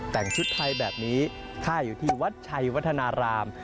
แต่งชุดไทยแบบนี้ค่ายอยู่ที่วัดชัยวัฒนาราม